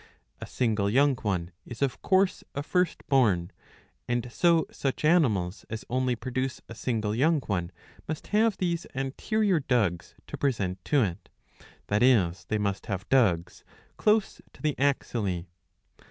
A single young one is of course a first born ; and so such animals as only produce a single young one must have these anterior dugs to present to it ; that is they must have dugs close to the axillae.